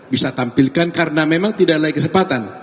bisa tampilkan karena memang tidak lagi kesempatan